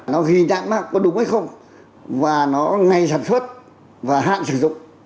nó ghi đáng mắc có đúng hay không và nó ngay sản xuất và hạn sử dụng